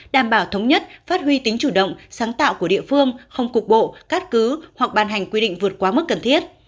đảm bảo thống nhất phát huy tính chủ động sáng tạo của địa phương không cục bộ cắt cứ hoặc ban hành quy định vượt quá mức cần thiết